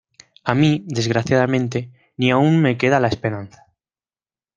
a mí, desgraciadamente, ni aun me queda la esperanza.